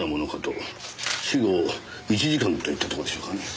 死後１時間といったとこでしょうかね。